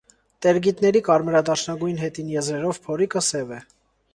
Տերգիտների կարմրադարչնագույն հետին եզրերով փորիկը սև է։